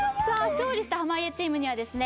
勝利した濱家チームにはですね